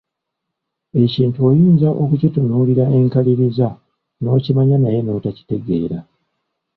Ekintu oyinza okukitunuulira enkaliriza n'okimanya naye n'otakitegeera